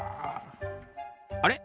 あれ？